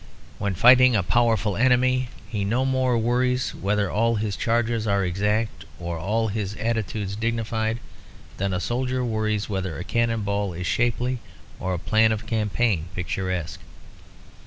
When fighting a powerful enemy he no more worries whether all his charges are exact or all his attitudes dignified than a soldier worries whether a cannon ball is shapely or a plan of campaign picturesque.